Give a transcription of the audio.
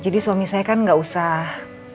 jadi suami saya kan gak usah